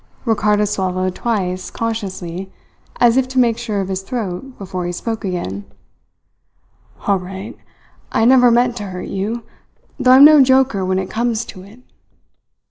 Ricardo swallowed twice consciously, as if to make sure of his throat before he spoke again: "All right. I never meant to hurt you though I am no joker when it comes to it."